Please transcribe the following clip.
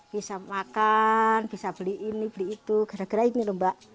bisa makan bisa beli ini beli itu gara gara ini lho mbak